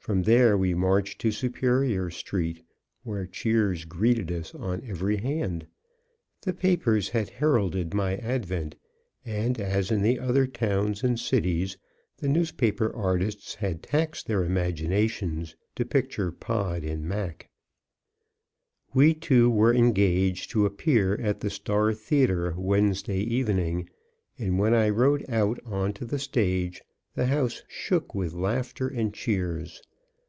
From there we marched to Superior street, where cheers greeted us on every hand. The papers had heralded my advent, and as in the other towns and cities, the newspaper artists had taxed their imaginations to picture Pod and Mac. We two were engaged to appear at the Star Theatre Wednesday evening, and when I rode out on to the stage the house shook with laughter and cheers.